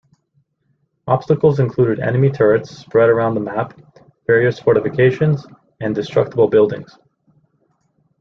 Obstacles included enemy turrets spread around the map, various fortifications and destructible buildings.